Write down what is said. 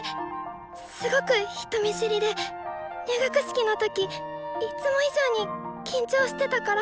すごく人見知りで入学式の時いっつも以上に緊張してたから。